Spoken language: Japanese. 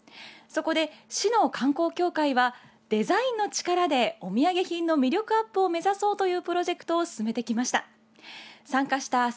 そこで、市の観光協会はデザインの力でお土産品の魅力アップを目指そうというプロジェクトを進めてきました。